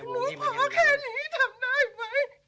หนูต้องไปเจาะและมารอบผู้หญิงคนนี้